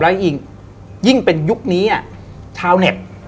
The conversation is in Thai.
แล้วยิ่งเป็นยุคนี้ชาวเน็ต